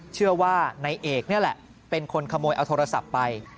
เชื่อว่านายเอกนี่แหละเป็นคนขโมยเอาโทรศัพท์ไป